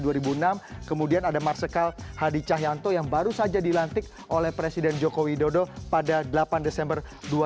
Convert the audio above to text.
yang kedua adalah marsikal haditya suyanto yang baru saja dilantik oleh presiden joko widodo pada delapan desember dua ribu tujuh belas